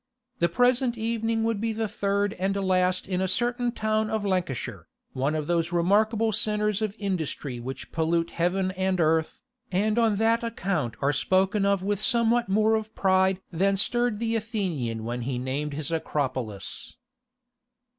The present evening would be the third and last in a certain town of Lancashire, one of those remarkable centres of industry which pollute heaven and earth, and on that account are spoken of with somewhat more of pride than stirred the Athenian when he named his Acropolis.